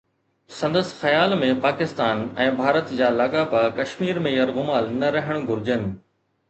سندس خيال ۾ پاڪستان ۽ ڀارت جا لاڳاپا ڪشمير ۾ يرغمال نه رهڻ گهرجن.